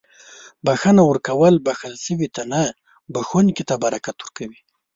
• بښنه ورکول بښل شوي ته نه، بښونکي ته برکت ورکوي.